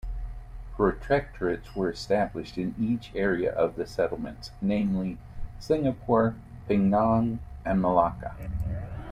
Protectorates were established in each area of the Settlements, namely Singapore, Penang and Malacca.